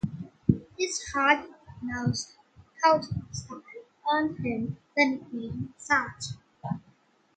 His hard-nosed coaching style earned him the nickname sarge.